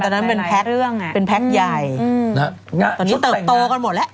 ตอนนั้นเป็นแพ็กเป็นแพ็กใหญ่ตอนนี้เติบโตกันหมดแล้ว